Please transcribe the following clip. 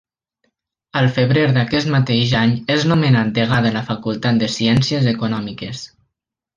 Al febrer d'aquest mateix any és nomenat Degà de la Facultat de Ciències Econòmiques.